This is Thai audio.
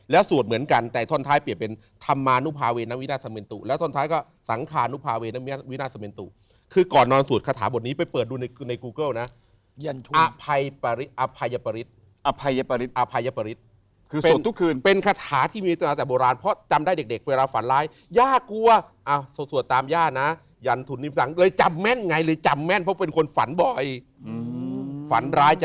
แล้วก็ยิ้มให้ตั้งแต่วันนั้นจนถึงวันนี้เป็น๑๐ปียังต้องทำงานอยู่ที่โรงละครนั้นเลย